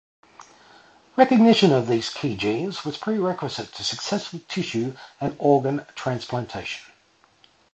Recognition of these key genes was prerequisite to successful tissue and organ transplantation.